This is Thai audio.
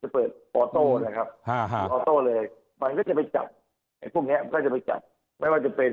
โปรโตรัครค่ะ